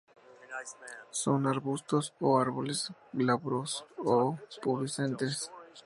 Son arbustos o árboles, glabros o pubescentes.